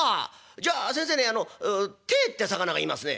じゃあ先生ねてえって魚がいますね」。